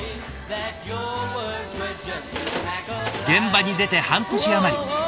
現場に出て半年余り。